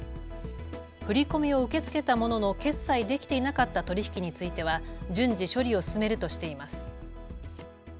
振り込みを受け付けたものの決済できていなかった取り引きについては順次、処理を進めるとしています。